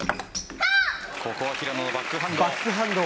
ここは平野のバックハンド。